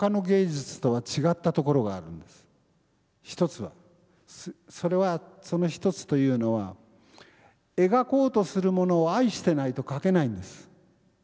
１つはそれはその１つというのは描こうとするものを愛してないと描けないんです。